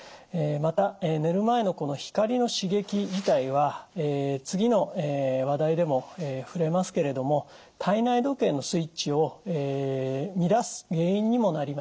また寝る前のこの光の刺激自体は次の話題でも触れますけれども体内時計のスイッチを乱す原因にもなります。